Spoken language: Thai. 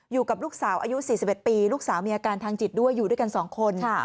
อยู่กับลูกสาวอายุ๔๑ปีลูกสาวมีอาการทางจิตด้วยอยู่ด้วยกัน๒คน